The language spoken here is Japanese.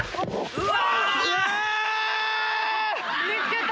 うわ！